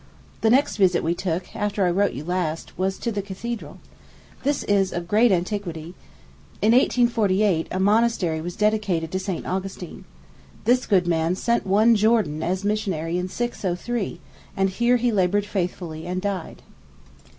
The next visit we took, after I wrote you last, was to the cathedral. This is of great antiquity. In 1148, a monastery was dedicated to St. Augustine. This good man sent one Jordan as a missionary in 603, and here he labored faithfully and died.